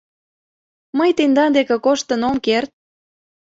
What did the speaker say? Мый тендан деке коштын ом керт.